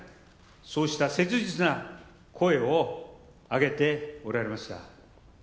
そうした切実な声を上げておられました。